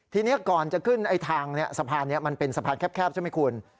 ทีนี้ก่อนจะขึ้นทางสะพานนี้มันเป็นสะพานแคบใช่ไหมคุณ